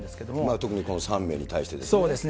特にこの３名に対してですね。